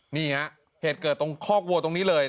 นี่ฮะเหตุเกิดตรงคอกวัวตรงนี้เลย